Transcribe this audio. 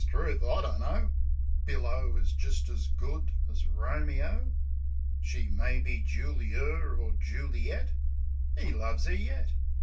'Struth, I dunno. Billo is just as good as Romeo. She may be Juli er or Juli et — 'E loves 'er yet.